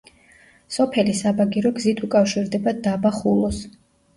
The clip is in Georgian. სოფელი საბაგირო გზით უკავშირდება დაბა ხულოს.